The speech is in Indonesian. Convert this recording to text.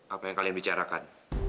apa yang kalian bicarakan